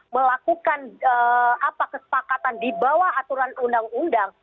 melakukan kesepakatan di bawah aturan undang undang